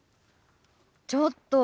ちょっと！